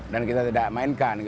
dan kita tidak mainkan